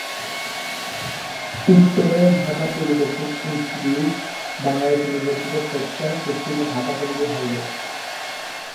উত্তরে Dhaka polytechnic institute, Bangladesh university of textile, পশ্চিমে ঢাকা-টঙ্গী highway.